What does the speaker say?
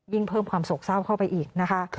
เพิ่มความโศกเศร้าเข้าไปอีกนะคะ